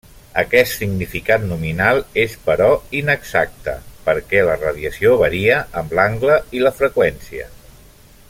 Aquest significat nominal és però inexacte perquè la radiació varia amb l'angle i la freqüència.